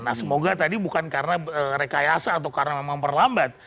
nah semoga tadi bukan karena rekayasa atau karena memang perlambat